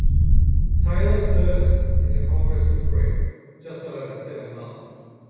Taylor's service in the Congress was brief, just over seven months.